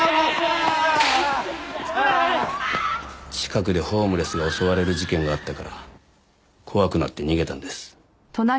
近くでホームレスが襲われる事件があったから怖くなって逃げたんです。